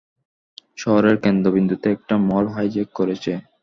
শহরের কেন্দ্রবিন্দুতে একটা মল হাইজ্যাক করেছে।